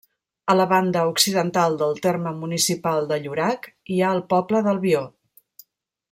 A la banda occidental del terme municipal de Llorac hi ha el poble d'Albió.